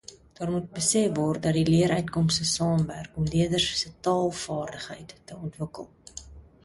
Daar moet besef word dat die leeruitkomste saamwerk om leerders se taalvaardigheid te ontwikkel.